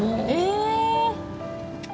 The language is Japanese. え！